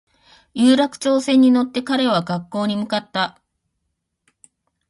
有楽町線に乗って彼は学校に向かった